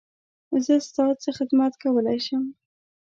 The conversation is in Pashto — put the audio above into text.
زه ستا څه خدمت کولی شم؟